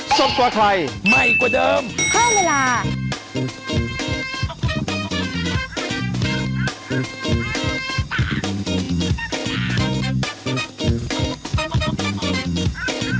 สมัยแรกใช่สมัยแรก